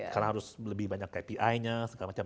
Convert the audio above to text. karena harus lebih banyak kpi nya segala macam